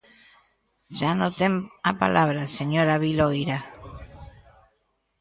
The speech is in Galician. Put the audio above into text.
Xa non ten a palabra, señora Viloira.